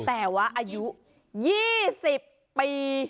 แต่ว่าอายุ๒๐ปี